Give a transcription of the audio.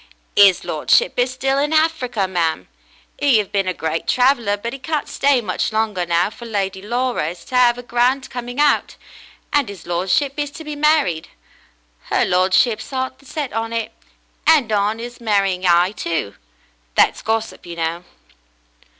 "'Is lordship is still in Hafrica, mam. 'E 'ave been a great traveller, but 'e can't stay much longer now, for Lady Laura is to 'ave a grand coming out, and 'is lordship is to be married. Her ladyship's 'eart is set on it, and on 'is marrying 'igh, too. That's gossip, you know."